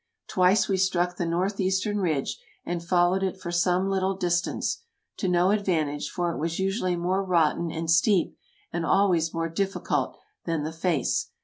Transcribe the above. Twice we struck the north eastern ridge, and followed it for some little distance — to no advantage, for it was usually more rotten and steep, and always more difficult, than the face.